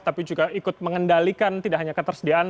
tapi juga ikut mengendalikan tidak hanya ketersediaan